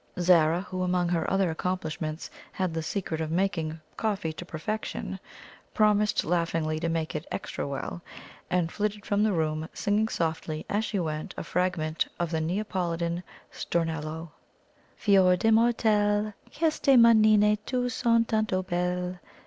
Zara, who among her other accomplishments had the secret of making coffee to perfection, promised laughingly to make it extra well, and flitted from the room, singing softly as she went a fragment of the Neapolitan Stornello: "Fior di mortelle Queste manine tue son tanto belle!